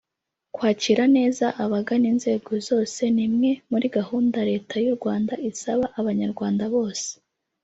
Kwakira neza abagana inzego zose ni imwe muri gahunda Leta y’u Rwanda isaba Abanyarwanda bose